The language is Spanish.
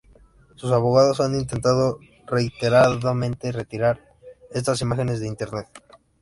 Sus abogados han intentado reiteradamente retirar estas imágenes de internet.